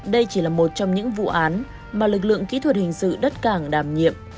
đây chỉ là một trong những vụ án mà lực lượng kỹ thuật hình sự đất cảng đảm nhiệm